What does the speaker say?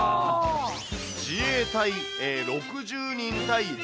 自衛隊６０人対象